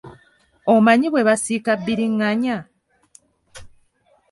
Omanyi bwe basiika bbiringanya?